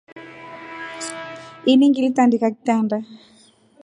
Ini ngilitandika kitanda.